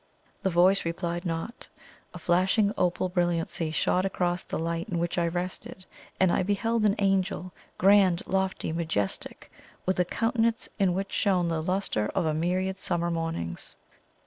The voice replied not. A flashing opal brilliancy shot across the light in which I rested, and I beheld an Angel, grand, lofty, majestic, with a countenance in which shone the lustre of a myriad summer mornings.